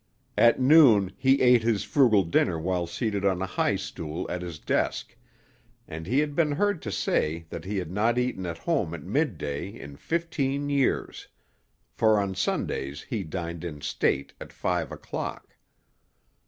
At noon he ate his frugal dinner while seated on a high stool at his desk, and he had been heard to say that he had not eaten at home at midday in fifteen years; for on Sundays he dined in state at five o'clock.